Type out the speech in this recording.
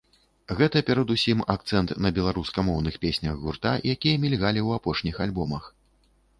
Гэта перадусім акцэнт на беларускамоўных песнях гурта, якія мільгалі ў апошніх альбомах.